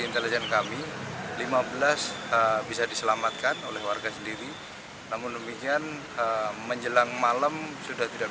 intelijen kami lima belas bisa diselamatkan oleh warga sendiri namun demikian menjelang malam sudah tidak